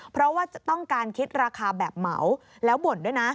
เพราะว่าจะต้องการคิดราคาแบบเหมาแล้วบ่นด้วยนะ